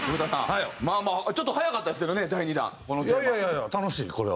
いやいやいやいや楽しいこれは。